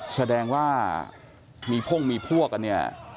แสดงว่ามีพ่งมีพวกกันเนี่ย